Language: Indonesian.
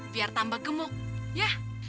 biar tambah gemuk ya